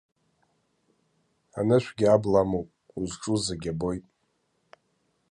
Анышәгьы абла амоуп, узҿу зегь абоит.